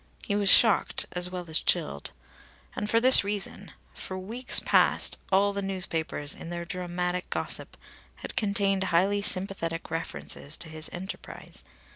He was shocked, as well as chilled. And for this reason: For weeks past all the newspapers, in their dramatic gossip, had contained highly sympathetic references to his enterprise.